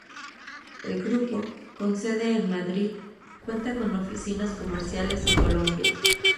El grupo, con sede en Madrid, cuenta con oficinas comerciales en Colombia.